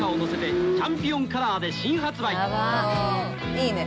いいね。